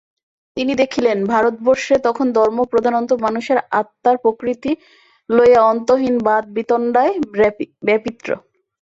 তিনি দেখিলেন, ভারতবর্ষে তখন ধর্ম প্রধানত মানুষের আত্মার প্রকৃতি লইয়া অন্তহীন বাদ-বিতণ্ডায় ব্যাপৃত।